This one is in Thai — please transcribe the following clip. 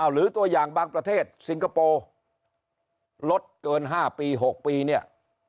หรือตัวอย่างบางประเทศสิงคโปร์ลดเกิน๕ปี๖ปีเนี่ย